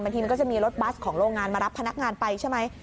ทีมันก็จะมีรถบัสของโรงงานมารับพนักงานไปใช่ไหม